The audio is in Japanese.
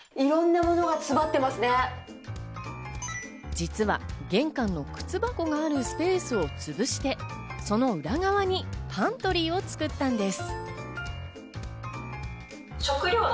実は玄関の靴箱があるスペースを潰して、その裏側にパントリーを作ったんです。